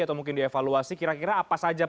atau mungkin dievaluasi kira kira apa saja